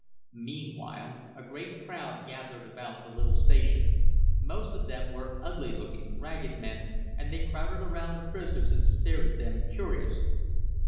Meanwhile a great crowd gathered about the little station; most of them were ugly looking, ragged men, and they crowded around the prisoners and stared at them curiously.